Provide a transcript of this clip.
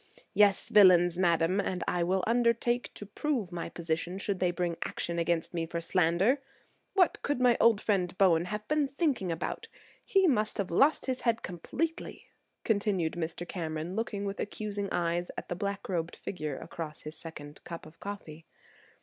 Yes, villains, madam; and I will undertake to prove my position should they bring action against me for slander. What could my old friend, Bowen, have been thinking about! He must have lost his head completely," continued Mr. Cameron, looking with accusing eyes at the black robed figure across his second cup of coffee.